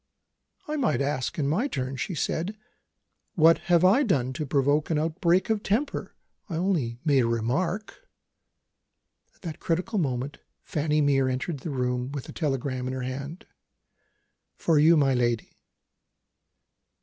"I might ask, in my turn," she said, "what have I done to provoke an outbreak of temper? I only made a remark." At that critical moment, Fanny Mere entered the room with a telegram in her hand. "For you, my lady."